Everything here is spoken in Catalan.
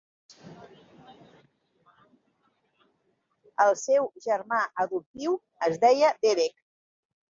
El seu germà adoptiu es deia Derek.